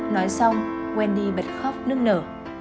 nói xong wendy bật khóc nức nở